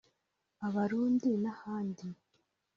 abarundi n’ahandi